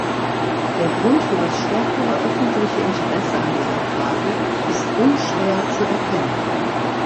Der Grund für das stärkere öffentliche Interesse an dieser Frage ist unschwer zu erkennen.